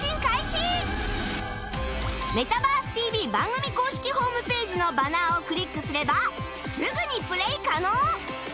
『メタバース ＴＶ！！』番組公式ホームページのバナーをクリックすればすぐにプレイ可能